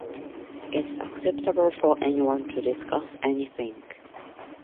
It’s acceptable for anyone to discuss anything.